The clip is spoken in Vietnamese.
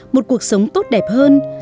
một cuộc sống tốt đẹp hơn